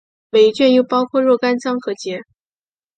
每一卷又包括若干章和节。